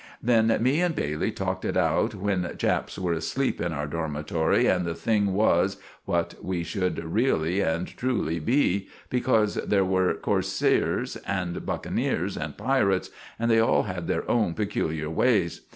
Then me and Bailey talked it out when chaps were asleep in our dormitory, and the thing was what we should reelly and truly be, becorse there were coarseers and buckeneers and pirits, and they all had their own pekuliar ways.